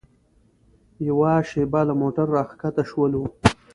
یوه شېبه له موټره راښکته شولو.